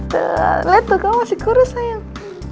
nah lihat tuh kamu masih kurus sayang